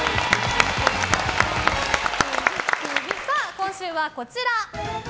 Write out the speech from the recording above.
今週はこちら。